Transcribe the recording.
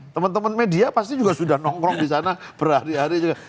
teman teman media pasti juga sudah nongkrong di sana berhari hari juga